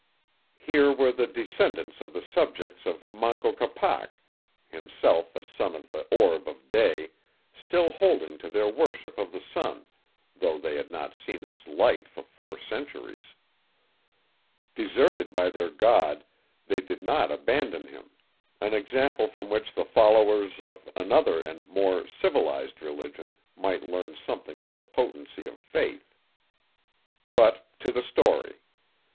Here were the descendants of the subjects of Manco Capac, himself a son of the orb of day, still holding to their worship of the sun, though they had not seen its light for four centuries. Deserted by their god, they did not abandon him; an example from which the followers of another and more "civilized" religion might learn something of the potency of faith. But to the story.